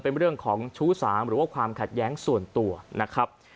เป็นเรื่องของชู้สาวหรือว่าความขัดแย้งส่วนตัวนะครับ